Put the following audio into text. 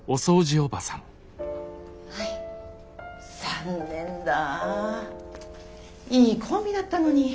残念だぁいいコンビだったのに。